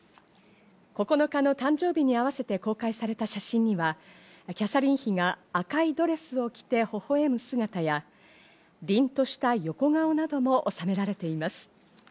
９日の誕生日に合わせて公開された写真には、キャサリン妃が赤いドレスを着て微笑む姿や、凛とした横顔などもおさめられています。